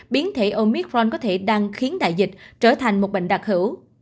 biến thể omithron có thể đang khiến đại dịch trở thành một bệnh đặc hữu